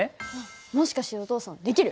もしかしてお父さんできる？